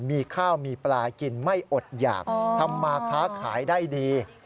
มีข้าวมีปลากินไม่อดหยากทำมาค้าขายได้ดี